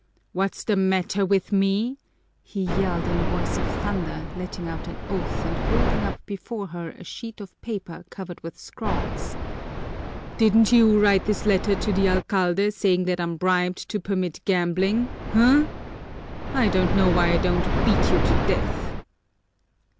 "What's the matter with me!" he yelled in a voice of thunder, letting out an oath and holding up before her a sheet of paper covered with scrawls. "Didn't you write this letter to the alcalde saying that I'm bribed to permit gambling, huh? I don't know why I don't beat you to death."